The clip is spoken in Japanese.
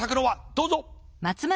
どうぞ。